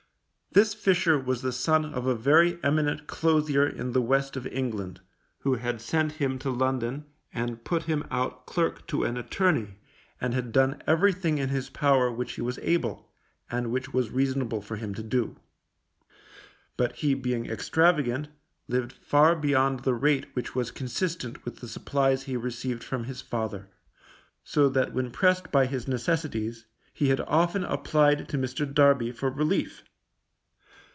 This Fisher was the son of a very eminent clothier in the West of England, who had sent him to London, and put him out clerk to an attorney, and had done everything in his power which he was able, and which was reasonable for him to do. But he being extravagant, lived far beyond the rate which was consistent with the supplies he received from his father; so that when pressed by his necessities, he had often applied to Mr. Darby for relief.